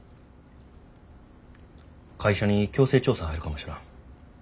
会社に強制調査入るかもしらん。